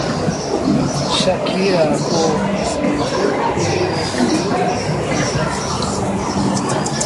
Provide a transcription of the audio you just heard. Shakira co-escribió y co-produjo todas las canciones.